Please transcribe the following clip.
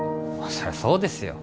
そりゃそうですよ